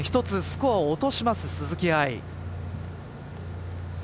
１つスコアを落とします鈴木愛。